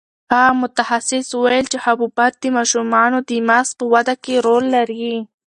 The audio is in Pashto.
هغه متخصص وویل چې حبوبات د ماشومانو د مغز په وده کې رول لري.